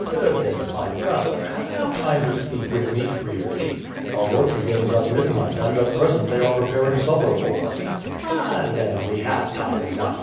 "Urban, my brother, hast thou time to speak with me freely?" "Our work begins at midnight, and at present they are preparing supper for us." "Ah, then, we have time enough.